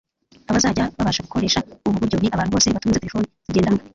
”Abazajya babasha gukoresha ubu buryo ni abantu bose batunze telefoni zigendanwa